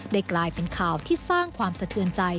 กลายเป็นข่าวที่สร้างความสะเทือนใจ